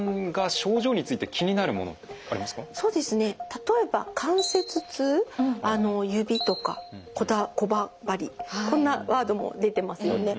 例えば「関節痛」「指」とか「こわばり」こんなワードも出てますよね。